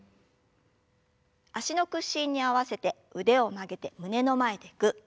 脚の屈伸に合わせて腕を曲げて胸の前でぐっ。